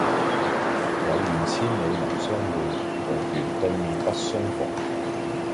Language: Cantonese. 有緣千里能相會，無緣對面不相逢。